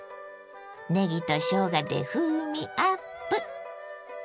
ねぎとしょうがで風味アップ。